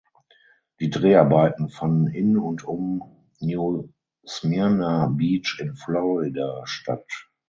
Die Dreharbeiten fanden in und um New Smyrna Beach in Florida statt.